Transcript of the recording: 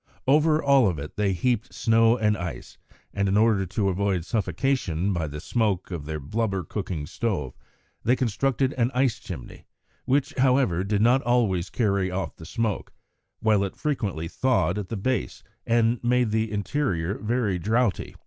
Over all of it they heaped snow and ice, and in order to avoid suffocation by the smoke of their blubber cooking stove, they constructed an ice chimney, which, however, did not always carry off the smoke, while it frequently thawed at the base, and made the interior very draughty.